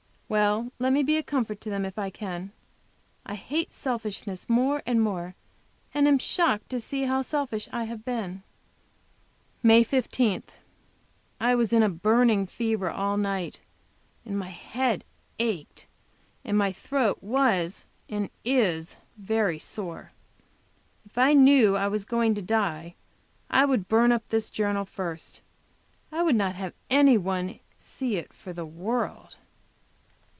Well, let me be a comfort to them if I can! I hate selfishness more and more, and am shocked to see how selfish I have been. MAY 15. I was in a burning fever all night, and my head ached, and my throat was and is very sore. If knew I was going to die I would burn up this journal first. I would not have any one see it for the world.